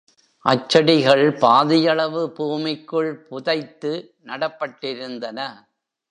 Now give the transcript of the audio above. அச் செடிகள் பாதியளவு பூமிக்குள் புதைத்து நடப்பட்டிருந்தன.